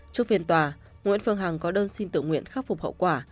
trước phiên tòa nguyễn phương hằng có đơn xin tự nguyện khắc phục hậu quả